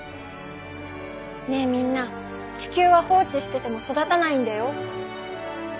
ねえみんな地球は放置してても育たないんだよ。